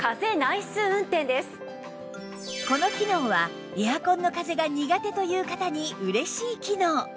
この機能はエアコンの風が苦手という方に嬉しい機能